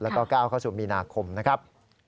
แล้วก็ก้าวเข้าสู่มีนาคมนะครับ